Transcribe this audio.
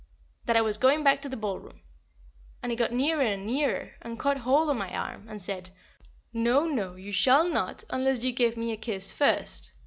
that I was going back to the ballroom. And he got nearer and nearer, and caught hold of my arm, and said, "No, no, you shall not unless you give me a kiss first."